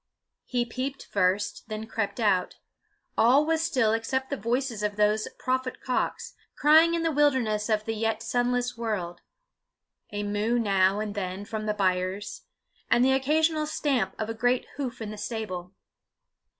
He peeped first, then crept out. All was still except the voices of those same prophet cocks, crying in the wilderness of the yet sunless world; a moo now and then from the byres; and the occasional stamp of a great hoof in the stable.